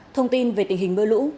thông tin về tình hình mưa lũ